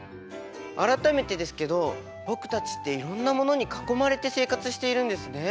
改めてですけど僕たちっていろんなものに囲まれて生活しているんですね。